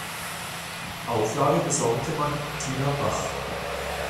Auflage besorgte Martina Bach.